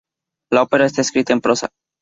La ópera está escrita en prosa.